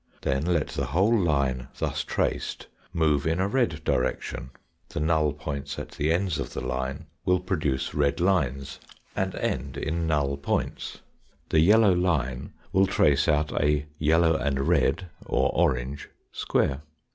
Then let the whole line thus traced move in a red direction. The null points at the ends of the line will produce red lines, and end in NOMENCLATURE AND ANALOGIES 139 null points. The yellow line will trace out a yellow and red, or orange square.